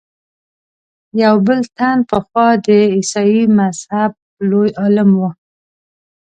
یو بل تن پخوا د عیسایي مذهب لوی عالم و.